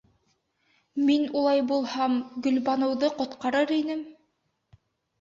Мин улай булһам, Гөлбаныуҙы ҡотҡарыр инем!